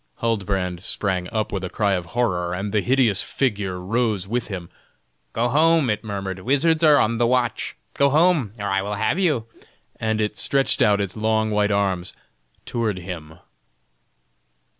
Huldbrand sprang up with a cry of horror, and the hideous figure rose with him. "Go home!" it murmured; "wizards are on the watch. Go home! or I will have you!" and it stretched out its long white arms toward him.